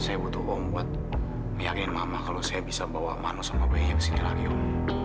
saya butuh om buat meyakinkan mama kalau saya bisa bawa mano sama bayinya ke sini lagi om